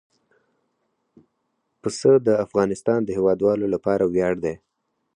پسه د افغانستان د هیوادوالو لپاره ویاړ دی.